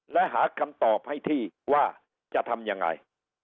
และหาคำตอบให้ที่ว่าจะทำยังไง